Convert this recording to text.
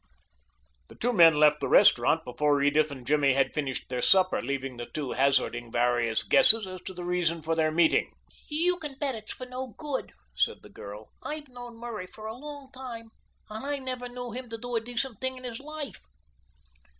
The two men left the restaurant before Edith and Jimmy had finished their supper, leaving the two hazarding various guesses as to the reason for their meeting. "You can bet it's for no good," said the girl. "I've known Murray for a long while, and I never knew him to do a decent thing in his life."